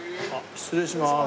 失礼します。